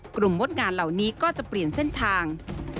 งดงานเหล่านี้ก็จะเปลี่ยนเส้นทาง